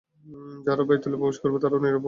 যারা বাইতুল্লায় প্রবেশ করবে তারাও নিরাপদ।